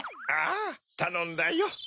ああたのんだよ。